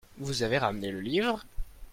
Vous avez ramené le livre ?